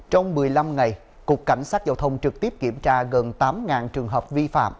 trong một mươi năm ngày cục cảnh sát giao thông trực tiếp kiểm tra gần tám trường hợp vi phạm